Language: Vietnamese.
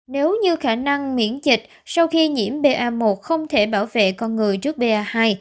nếu như khả năng miễn dịch sau khi nhiễm ba một không thể bảo vệ con người trước ba hai